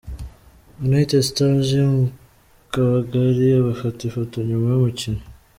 United Stars yo mu Kabagali bafata ifoto nyuma y'umukino.